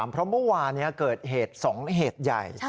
เพราะเมื่อวานเกิดเหตุ๒เหตุใหญ่